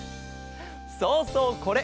そうそうこれ。